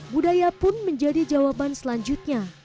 budaya pun menjadi jawaban selanjutnya